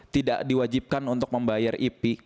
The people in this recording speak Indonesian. tidak diwajibkan untuk membayar ip